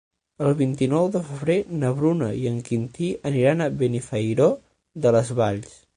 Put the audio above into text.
El vint-i-nou de febrer na Bruna i en Quintí aniran a Benifairó de les Valls.